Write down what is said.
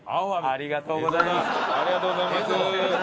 ありがとうございます。